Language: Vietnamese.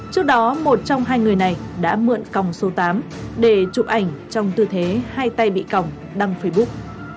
trước đó một trong hai người này đã mượn còng số tám để chụp ảnh trong tư thế hai tay bị còng đăng facebook